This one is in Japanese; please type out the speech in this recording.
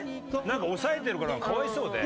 なんか抑えてるからかわいそうで。